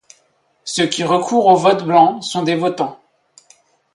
Ceux qui recourent au vote blanc sont des votants.